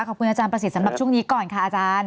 ขอบคุณอาจารย์ประสิทธิ์สำหรับช่วงนี้ก่อนค่ะอาจารย์